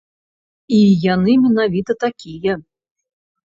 І яны менавіта такія.